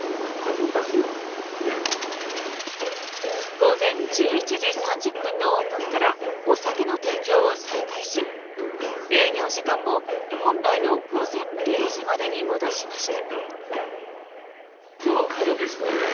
午前１１時３０分のオープンからお酒の提供を再開し営業時間も本来の午前０時までに戻しました。